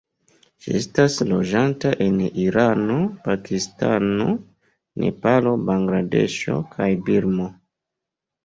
Ĝi estas loĝanta en Irano, Pakistano, Nepalo, Bangladeŝo kaj Birmo.